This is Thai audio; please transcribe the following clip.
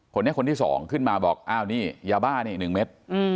คนนี้คนที่๒ขึ้นมาบอกอ้าวนี่ยาบ้านี่๑เม็ด